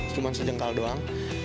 cuma sejengkal doang